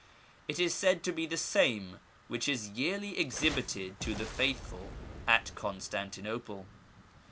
It is said to be the same which is yearly exhibited to the faithful at Constantinople.